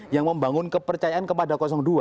yang membangun kepercayaan kepada dua